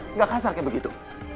jangan kasar kayak begitu